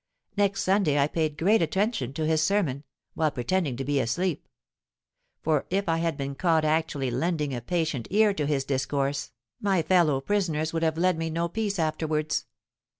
Next Sunday I paid great attention to his sermon, while pretending to be asleep: for if I had been caught actually lending a patient ear to his discourse, my fellow prisoners would have led me no peace afterwards.